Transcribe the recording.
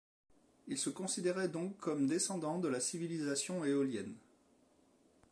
Ils se considéraient donc comme descendants de la civilisation éolienne.